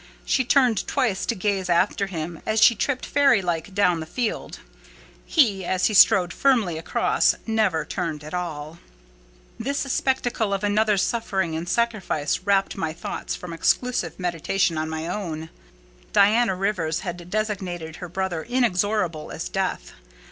She turned twice to gaze after him as she tripped fairy like down the field; he, as he strode firmly across, never turned at all. This spectacle of another's suffering and sacrifice rapt my thoughts from exclusive meditation on my own. Diana Rivers had designated her brother "inexorable as death."